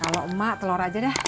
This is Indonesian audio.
kalo emak telor aja dah